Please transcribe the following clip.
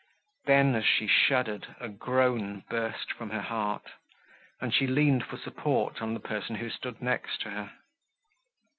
Then, as she shuddered, a groan burst from her heart, and she leaned for support on the person who stood next to her.